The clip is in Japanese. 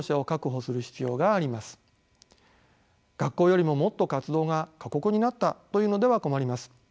学校よりももっと活動が過酷になったというのでは困ります。